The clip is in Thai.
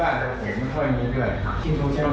ต้องทำไปโดยอารมณ์กฎคุณเครื่อง